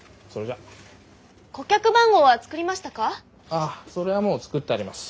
ああそれはもう作ってあります。